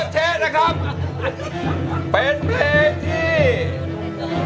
ถูกถูกถูกถูกถูกถูกถูกถูกถูก